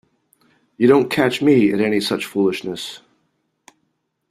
You don't catch me at any such foolishness.